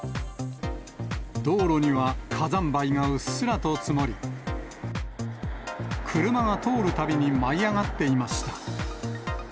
道路には火山灰がうっすらと積もり、車が通るたびに舞い上がっていました。